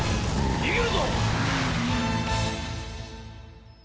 にげるぞ！